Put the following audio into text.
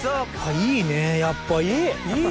いいねやっぱいい！